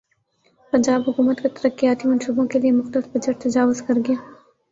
پنجاب حکومت کا ترقیاتی منصوبوں کیلئےمختص بجٹ تجاوزکرگیا